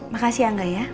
makasih ya angga ya